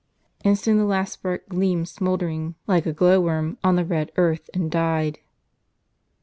And soon the last spark gleamed smouldering like a glow worm, on the red earth, and died.